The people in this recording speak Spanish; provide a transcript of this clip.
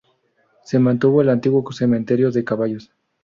Se mantuvo el antiguo cementerio de caballos.